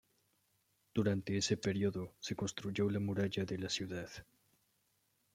Durante ese periodo se construyó la muralla de la ciudad.